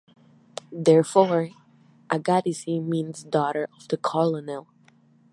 Therefore, "Agadici" means "daughter of the colonel".